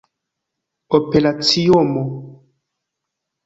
operaciumo